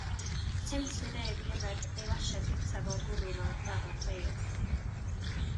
Temtiwyd ef i yfed ei lasied cyntaf o gwrw mewn cyfarfod beirdd.